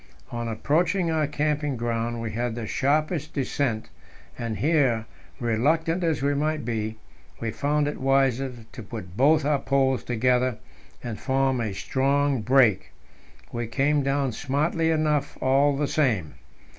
On approaching our camping ground we had the sharpest descent, and here, reluctant as we might be, we found it wiser to put both our poles together and form a strong brake. We came down smartly enough, all the same.